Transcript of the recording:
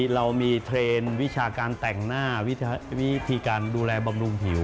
เรามีเทรนด์วิชาการแต่งหน้าวิธีการดูแลบำรุงผิว